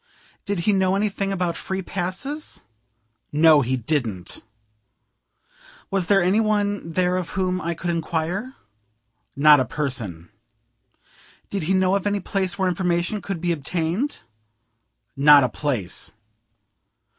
"Did he know anything about free passes?" No, he didn't. "Was there any one there of whom I could inquire?" Not a person. "Did he know of any place where information could be obtained?" Not a place.